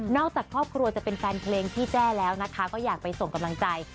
จากครอบครัวจะเป็นแฟนเพลงพี่แจ้แล้วนะคะก็อยากไปส่งกำลังใจ